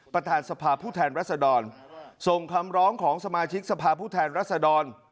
ปราธานสภาพผู้แทนรัฐธรรมนรส่งคำร้องของสมาชิกสภาพผู้แทนรัฐธรรมน์